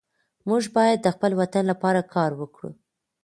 موږ باید د خپل وطن لپاره کار وکړو.